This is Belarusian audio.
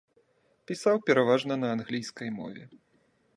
Пісаў пераважна на англійскай мове.